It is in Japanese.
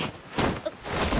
あっ。